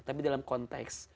tapi dalam konteks